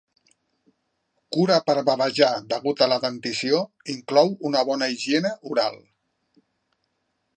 Cura per bavejar degut a la dentició inclou una bona higiene oral.